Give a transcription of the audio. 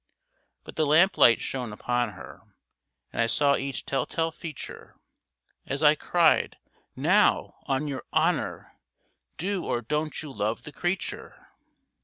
But the lamp light shone upon her, And I saw each tell tale feature, As I cried, "Now, on your honour, Do or don't you love the creature?"